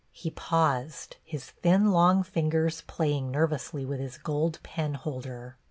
He paused, his thin, long fingers playing nerv ously with his gold penholder.